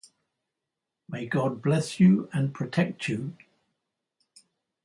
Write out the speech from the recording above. May God bless you and protect you.